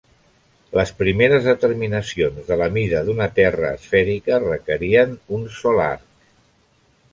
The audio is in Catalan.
Les primeres determinacions de la mida d'una terra esfèrica requerien un sol arc.